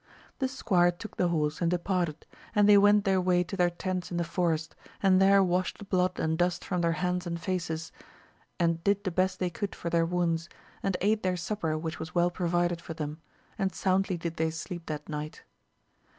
The AMADIS OF GAUL, 219 squire took the horse and departed, and they went their way to their tents in the forest, and there washed the blood and dust from their hands and faces, and did the best they could for their wounds, and ate their supper which was well provided for them, and soundly did they sleep that night.